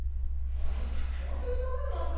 本当にそう思ってますか？